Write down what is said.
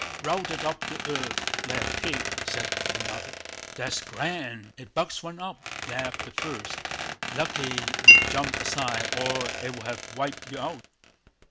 "Routed up the earth like a pig," said another. "That's grand, it bucks one up!" laughed the first. "Lucky you jumped aside, or it would have wiped you out!"